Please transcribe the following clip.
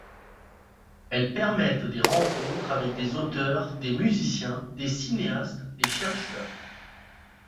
Elles permettent des rencontres avec des auteurs, des musiciens, des cinéastes, des chercheurs.